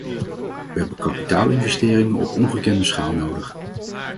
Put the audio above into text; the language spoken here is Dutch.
We hebben kapitaalinvesteringen op ongekende schaal nodig.